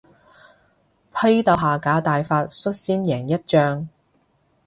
批鬥下架大法率先贏一仗